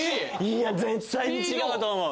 いや絶対に違うと思う。